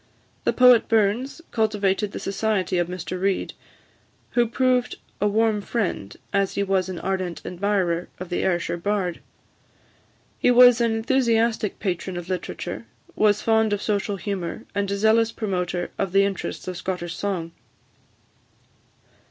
The poet Burns cultivated the society of Mr Reid, who proved a warm friend, as he was an ardent admirer, of the Ayrshire bard. He was an enthusiastic patron of literature, was fond of social humour, and a zealous promoter of the interests of Scottish song.